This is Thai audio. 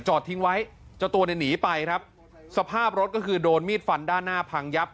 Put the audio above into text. ทิ้งไว้เจ้าตัวเนี่ยหนีไปครับสภาพรถก็คือโดนมีดฟันด้านหน้าพังยับ